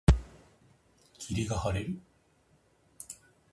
霧が晴れる。